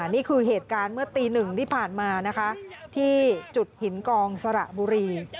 นี่คือเหตุการณ์เมื่อตีหนึ่งที่ผ่านมานะคะที่จุดหินกองสระบุรี